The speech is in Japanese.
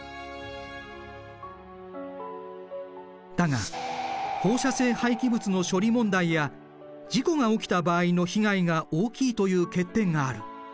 だが放射性廃棄物の処理問題や事故が起きた場合の被害が大きいという欠点がある。